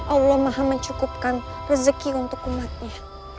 allah maha mencukupkan rezeki untuk umatnya